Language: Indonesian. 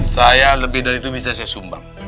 saya lebih dari itu bisa saya sumbang